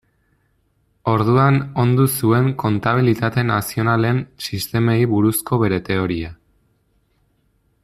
Orduan ondu zuen kontabilitate nazionalen sistemei buruzko bere teoria.